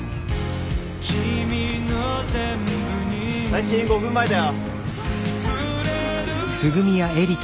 配信５分前だよ。